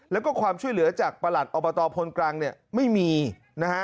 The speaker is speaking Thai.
แล้วก็ความช่วยเหลือจากประหลัดอบตพลกรังเนี่ยไม่มีนะฮะ